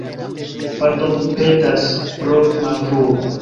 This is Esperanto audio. Pardonpetas pro malfruo.